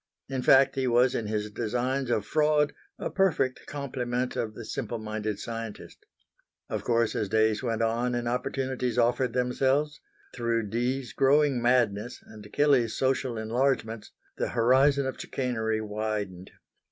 In fact he was in his designs of fraud a perfect complement of the simple minded scientist. Of course as days went on and opportunities offered themselves, through Dee's growing madness and Kelley's social enlargements, the horizon of chicanery widened.